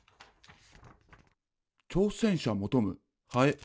「挑戦者求むハエ」。